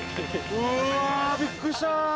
うわー、びっくりした。